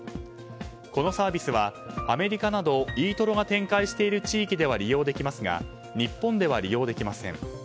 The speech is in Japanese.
このサービスはアメリカなどイートロが展開している地域では利用できますが日本では利用できません。